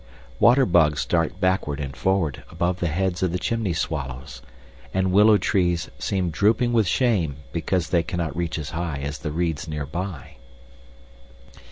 Water bugs dart backward and forward above the heads of the chimney swallows, and willow trees seem drooping with shame, because they cannot reach as high as the reeds nearby.